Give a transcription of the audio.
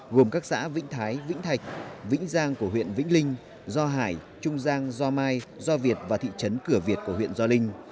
gồm các xã vĩnh thái vĩnh thạch vĩnh giang của huyện vĩnh linh do hải trung giang do mai do việt và thị trấn cửa việt của huyện do linh